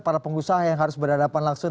para pengusaha yang harus berhadapan langsung